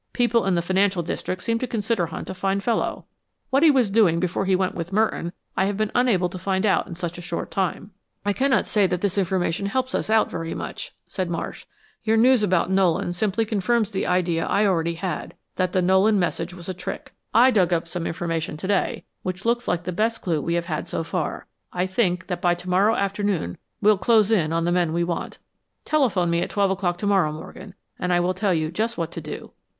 People in the financial district seem to consider Hunt a fine fellow. What he was doing before he went with Merton I have been unable to find out in such a short time." "I cannot say that this information helps us out very much," said Marsh. "Your news about Nolan simply confirms the idea I already had that the Nolan message was a trick. I dug up some information today which looks like the best clue we have had so far. I think that by tomorrow afternoon we'll close in on the men we want. Telephone me at twelve o'clock tomorrow, Morgan, and I will tell you just what to do."